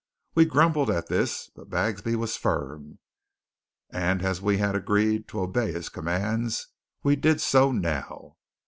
We grumbled at this, but Bagsby was firm, and as we had agreed to obey his commands we did so now.